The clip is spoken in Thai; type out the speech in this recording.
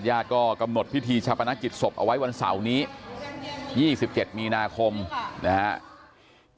ญาติก็กำหนดพิธีชาปนกิจศพเอาไว้วันเสาร์นี้๒๗มีนาคมนะครับ